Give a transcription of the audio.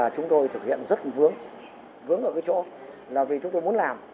chúng tôi thực hiện rất vướng vướng ở cái chỗ là vì chúng tôi muốn làm